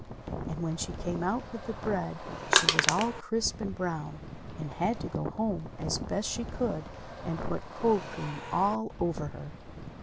And when she came out with the bread she was all crisp and brown and had to go home as best she could and put cold cream all over her